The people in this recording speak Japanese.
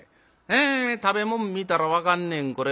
え食べ物見たら分かんねんこれ。